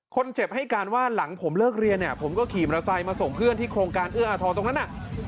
คนเจ็บให้การว่าหลังผมเลิกเรียนเนี่ยผมก็ขี่มอเตอร์ไซค์มาส่งเพื่อนที่โครงการเอื้ออาทรตรงนั้นน่ะ